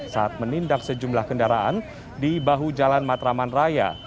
saat menindak sejumlah kendaraan di bahu jalan matraman raya